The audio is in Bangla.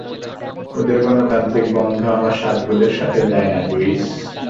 ওদের গণতান্ত্রিক গন্ধ আমার স্বাদবোধের সাথে যায় না, লুইস।